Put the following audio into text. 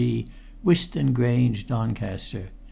G., Whiston Grange, Doncaster.'"